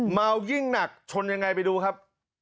เมายิ่งหนักชนยังไงไปดูครับ